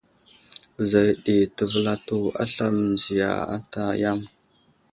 Bəza yo ɗi təvelato aslam mənziya ənta yam.